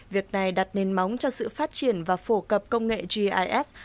việc này đặt nền móng cho sự phát triển và phổ cập công nghệ gis